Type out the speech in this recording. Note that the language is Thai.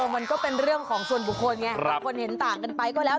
มันก็เป็นเรื่องของส่วนบุคคลไงบางคนเห็นต่างกันไปก็แล้ว